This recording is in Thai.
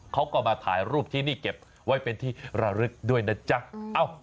เขาก็มาถ่ายรูปที่นี่เก็บไว้เป็นที่ระลึกด้วยนะจ๊ะ